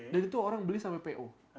dan itu orang beli sampai po